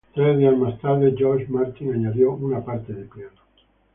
Tres días más tarde, George Martin añadió una parte de piano.